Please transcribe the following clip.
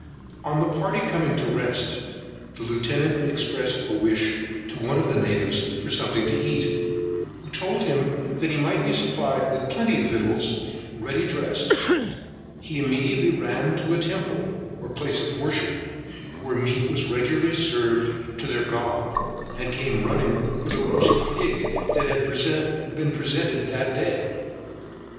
On the party coming to a rest, the Lieutenant expressed a wish to one of the natives for something to eat, who told him he might be supplied with plenty of victuals ready dressed; he immediately ran to a temple, or place of worship, where meat was regularly served to their god, and came running with a roasted pig, that had been presented that day.